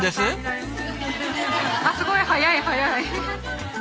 あっすごい速い速い！